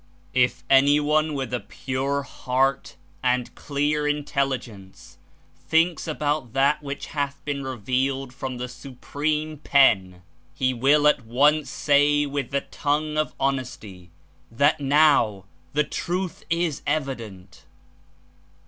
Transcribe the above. "If any one with a pure heart and clear intelligence thinks about that which hath been revealed from the Supreme Pen, he will at once say with the tongue of honesty that now the truth is evident.